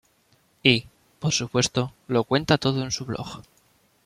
Y, por supuesto, lo cuenta todo en su blog.